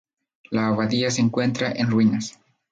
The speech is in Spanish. La abadía se encuentra en ruinas.